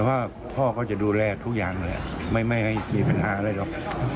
เพราะว่าพ่อก็จะดูแลทุกอย่างแหละไม่ให้มีปัญหาอะไรหรอก